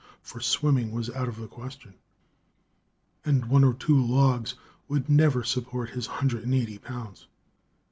For swimming was out of the question, and one or two logs would never support his hundred and eighty pounds.